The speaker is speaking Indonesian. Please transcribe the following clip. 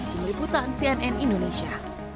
dari putan cnn indonesia